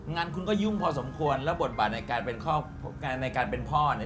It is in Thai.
งานคุณก็ยุ่งพอสมควรแล้วบทบาทในการในการเป็นพ่อเนี่ย